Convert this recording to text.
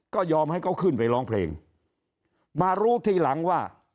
ก็ยอมให้เขาขึ้นไปร้องเพลงมารู้ทีหลังว่า